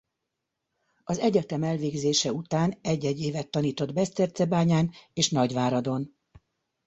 Az egyetem elvégzése után egy-egy évet tanított Besztercebányán és Nagyváradon.